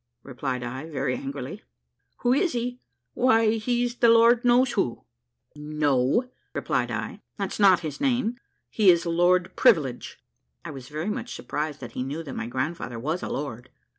replied I, very angrily. "Who is he! why he's the Lord knows who." "No," replied I, "that's not his name; he is Lord Privilege." (I was very much surprised that he knew that my grandfather was a lord.)